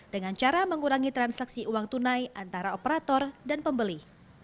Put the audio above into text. dengan cara mengurangi transaksi uang tunai antara operator dan pembeli